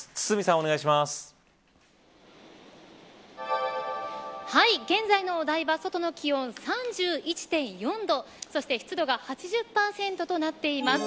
はい、現在のお台場外の気温３１．４度そして湿度が８０％となっています。